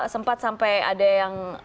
sempat sampai ada yang